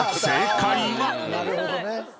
なるほどね。